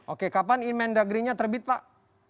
oke kapan emendagrinya terbit pak